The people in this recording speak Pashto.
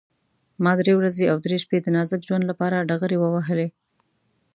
ما درې ورځې او درې شپې د نازک ژوند لپاره ډغرې ووهلې.